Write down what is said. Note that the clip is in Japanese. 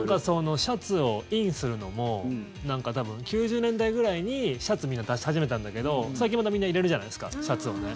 シャツをインするのも多分、９０年代ぐらいにシャツをみんな、出し始めたんだけど最近またみんな入れるじゃないですかシャツを。